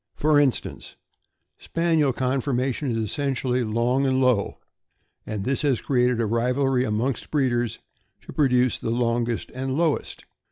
For instance, Spaniel conformation is essentially 4 'long and low," and this has created a rivalry amongst breeders to produce the " longest and lowest."